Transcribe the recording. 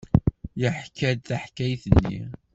Yeḥka-d taḥkayt-nni.